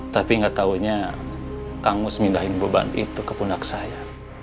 tapi nggak tahunya kang mus mindahin beban itu ke pundak saya